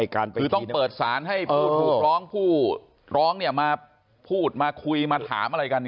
คือต้องเปิดสารให้ผู้ถูกร้องผู้ร้องมาพูดมาคุยมาถามอะไรกัน